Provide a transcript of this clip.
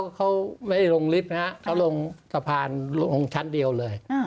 เขาไม่ลงลิฟต์นะฮะเขาลงสะพานลงชั้นเดียวเลย